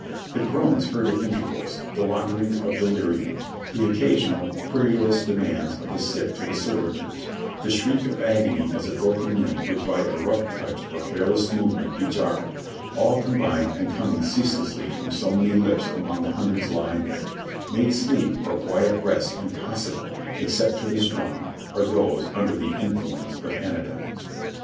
The groans heard at inter vals, the wanderings of delirium, the occasional querulous de mands of the sick to the servitors, the shriek of agony as a broken limb would by a rough touch or careless movement be jarred, all combined and coming ceaselessly from so many lips among the hundreds lying there, made sleep or quiet rest impossible except to the strono or those under the influence of anodvnes.